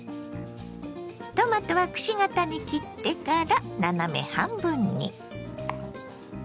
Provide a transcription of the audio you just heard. トマトはくし形に切ってから斜め半分に。